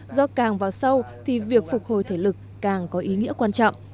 do càng vào sâu thì việc phục hồi thể lực càng có ý nghĩa quan trọng